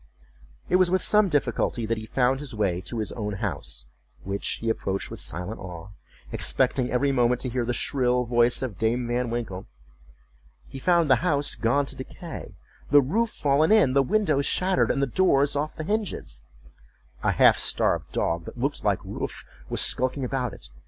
It was with some difficulty that he found the way to his own house, which he approached with silent awe, expecting every moment to hear the shrill voice of Dame Van Winkle. He found the house gone to decay—the roof fallen in, the windows shattered, and the doors off the hinges. A half starved dog that looked like Wolf was skulking about it.